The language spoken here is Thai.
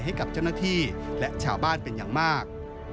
ให้กับเจ้าหน้าที่และชาวบ้านเป็นอย่างมาก